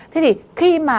thế thì khi mà